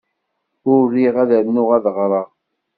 Ur riɣ ad rnuɣ ad ɣreɣ.